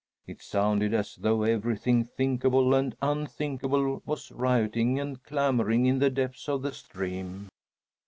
It sounded as though everything thinkable and unthinkable was rioting and clamoring in the depths of the stream.